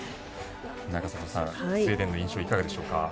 永里さん、スウェーデンの印象いかがでしょうか？